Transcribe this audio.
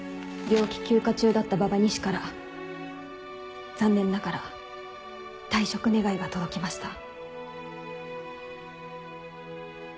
病気休暇中だった馬場２士から残念ながら退職願が届きました。